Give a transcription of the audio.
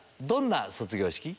どんな卒業式？